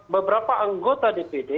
beberapa anggota dpd